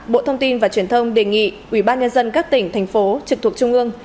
bộ thông tin và truyền thông đề nghị ubnd các tỉnh thành phố trực thuộc trung ương